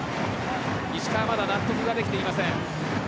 石川はまだ納得ができていません。